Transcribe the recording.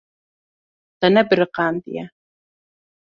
Te nebiriqandiye.